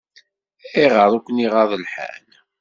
Ayɣer i ken-iɣaḍ lḥal?